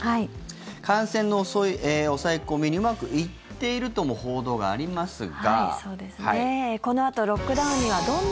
感染の抑え込みにうまくいっているとも報道がありますが。